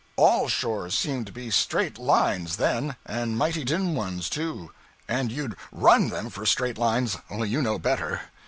All shores seem to be straight lines, then, and mighty dim ones, too; and you'd _run _them for straight lines only you know better.